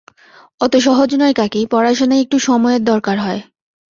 অত সহজ নয় কাকী, পড়াশুনায় একটু সময়ের দরকার হয়।